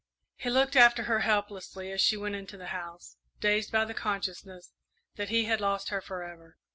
He looked after her helplessly as she went into the house, dazed by the consciousness that he had lost her forever.